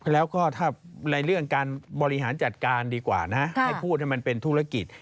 แล้วก็ถ้าในเรื่องการบริหารจัดการดีกว่านะให้พูดให้มันเป็นธุรกิจ